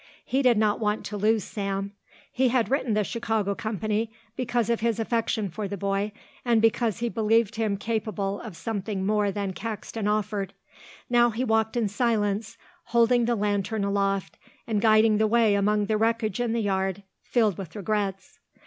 He did not want to lose Sam. He had written the Chicago company because of his affection for the boy and because he believed him capable of something more than Caxton offered. Now he walked in silence holding the lantern aloft and guiding the way among the wreckage in the yard, filled with regrets.